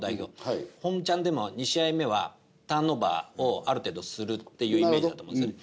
本チャンでも２試合目はターンオーバーをある程度するっていうイメージだと思うんですね。